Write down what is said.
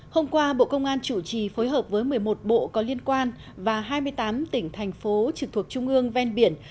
hôm qua bộ công an chủ trì phối hợp với một mươi một bộ có liên quan và hai mươi tám tỉnh thành phố trực thuộc trung ương ven biển